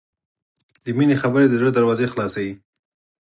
د مینې خبرې د زړه دروازې خلاصوي.